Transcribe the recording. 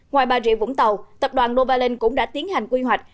ngoài bà rịa vũng tàu tập đoàn novaland cũng đã tiến hành quy hoạch